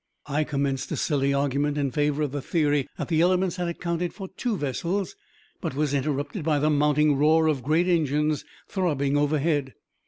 I commenced a silly argument in favor of the theory that the elements had accounted for the two vessels, but was interrupted by the mounting roar of great engines throbbing overhead.